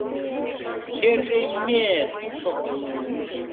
— Кереме-ет! — шоктыш.